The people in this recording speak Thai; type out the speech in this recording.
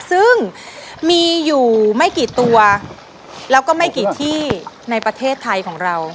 ซึ่งมีอยู่ไม่กี่ตัวแล้วก็ไม่กี่ที่ในประเทศไทยของเรา